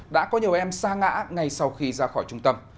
đã có nhiều em xa ngã ngay sau khi ra khỏi trung tâm